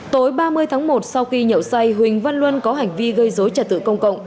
tối ba mươi tháng một sau khi nhậu say huỳnh văn luân có hành vi gây dối trật tự công cộng